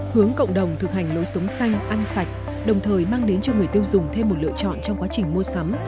hướng cộng đồng thực hành lối sống xanh ăn sạch đồng thời mang đến cho người tiêu dùng thêm một lựa chọn trong quá trình mua sắm